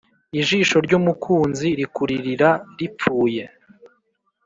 Ijisho ry’umukunzi rikuririra ripfuye.